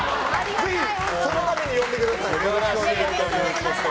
そのために呼んでください。